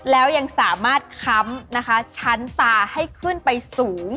แล้วยังสามารถค้ำนะคะชั้นตาให้ขึ้นไปสูง